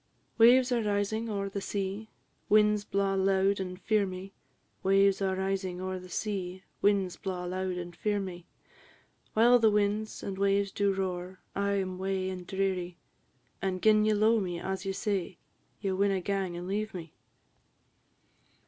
"Waves are rising o'er the sea; winds blaw loud and fear me; Waves are rising o'er the sea; winds blaw loud and fear me; While the winds and waves do roar, I am wae and drearie; And gin ye lo'e me as ye say, ye winna gang and leave me."